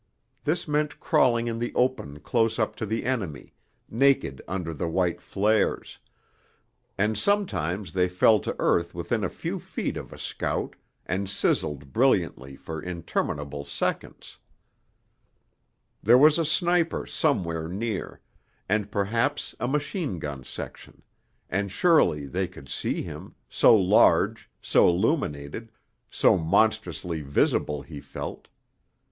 This meant crawling in the open close up to the enemy, naked under the white flares; and sometimes they fell to earth within a few feet of a scout and sizzled brilliantly for interminable seconds; there was a sniper somewhere near, and perhaps a machine gun section, and surely they could see him, so large, so illuminated, so monstrously visible he felt.